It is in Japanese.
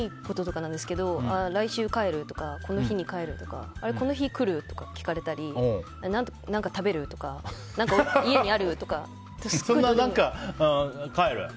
本当にどうでもいいこととかなんですけど来週帰るとかこの日に帰るとかこの日来る？とか聞かれたり何か食べる？とか何か家にある？とか。